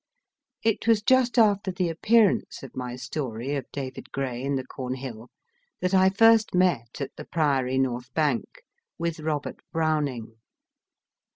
It was just after the appearance of my story of David Gray in the Cornhill that I first met, at the Priory, North Bank, with Robert Browning.